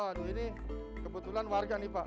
waduh ini kebetulan warga nih pak